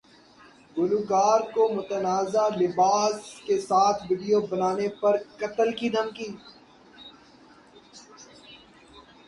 گلوکارہ کو متنازع لباس کے ساتھ ویڈیو بنانے پر قتل کی دھمکی